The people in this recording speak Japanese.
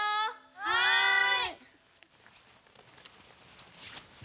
はい！